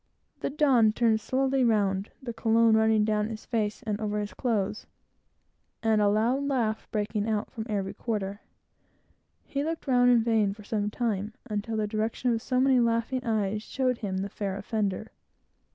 The Don turned slowly round, the cologne, running down his face, and over his clothes, and a loud laugh breaking out from every quarter. He looked round in vain, for some time, until the direction of so many laughing eyes showed him the fair offender.